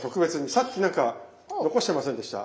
さっき何か残してませんでした？